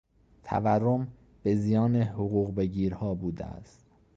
تورم به زیان حقوق بگیرها بوده است.